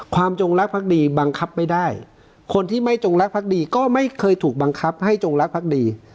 จงรักพักดีบังคับไม่ได้คนที่ไม่จงรักพักดีก็ไม่เคยถูกบังคับให้จงรักพักดี